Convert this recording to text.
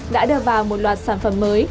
đã đưa vào một loạt sản phẩm mới